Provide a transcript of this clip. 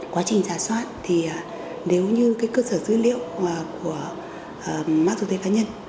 quá trình giả soát thì nếu như cơ sở dữ liệu của mắc dữ liệu cá nhân